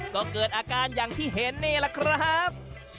ก็เกิดอาการอย่างที่เห็นนี่แหละครับ